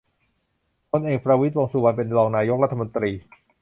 พลเอก ประวิตร วงษ์สุวรรณ เป็นรองนายกรัฐมนตรี